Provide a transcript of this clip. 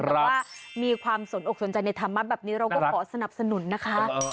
แต่ว่ามีความสนอกสนใจในธรรมะแบบนี้เราก็ขอสนับสนุนนะคะ